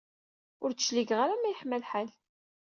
Ur d-cligeɣ ara ma yeḥma lḥal.